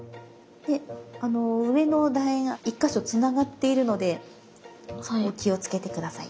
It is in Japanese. で上のだ円一か所つながっているのでそこを気をつけて下さい。